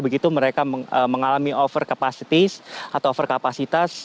begitu mereka mengalami over capacity atau over kapasitas